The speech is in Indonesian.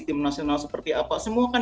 tim nasional seperti apa semua kan